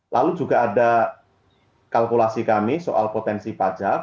lalu juga ada kalkulasi kami soal potensi pajak